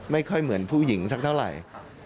ไม่ค่อยเหมือนผู้หญิงสักเท่าไหร่